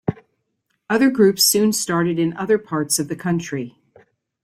Other groups soon started in other parts of the country.